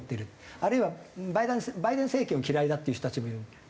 あるいはバイデン政権を嫌いだっていう人たちもいるわけで。